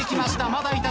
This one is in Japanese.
まだいた！